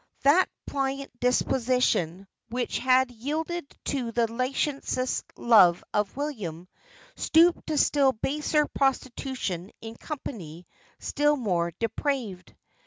That pliant disposition, which had yielded to the licentious love of William, stooped to still baser prostitution in company still more depraved.